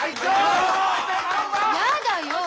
やだよ！